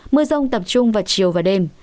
mưa rông tập trung vào chiều và đêm